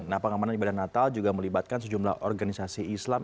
nah pengamanan ibadah natal juga melibatkan sejumlah organisasi islam